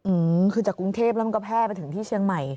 อืมคือจากกรุงเทพแล้วมันก็แพร่ไปถึงที่เชียงใหม่